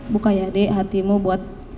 buka ya dek hatimu buat